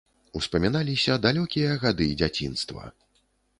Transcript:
Успаміналіся далёкія гады дзяцінства.